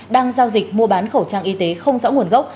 đang giao dịch mua bán khẩu trang y tế không rõ nguồn gốc